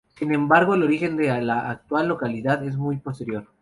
Sin embargo, el origen de la actual localidad es muy posterior.